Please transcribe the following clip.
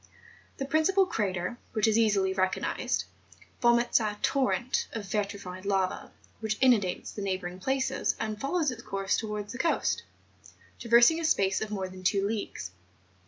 The principal crater, which is easily recognised, vomits a torrent of vi¬ trified lava' which inundates the neighbouring places, and follows its course towards the coast, traversing a space of more than two leagues.